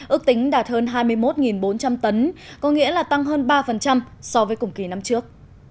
ước tính đạt hơn hai mươi một bốn trăm linh tấn có nghĩa là tăng hơn ba so với cùng kỳ năm trước